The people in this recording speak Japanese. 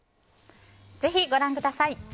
ぜひご覧ください。